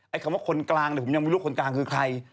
ไอ้คำว่าคนกลางผมยังไม่รู้คนกลางคือใคร